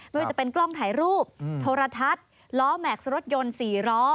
ไม่ว่าจะเป็นกล้องถ่ายรูปโทรทัศน์ล้อแม็กซ์รถยนต์๔ล้อ